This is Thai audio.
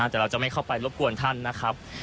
แต่เราจะไม่เข้าไปรบกวนท่านนะครับ